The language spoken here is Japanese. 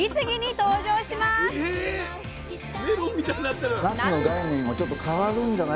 ⁉メロンみたいになってる。